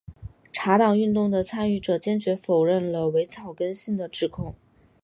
茶党运动的参与者坚决否认了伪草根性的指控。